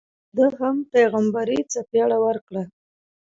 ده هم پیغمبري څپېړه ورکړه.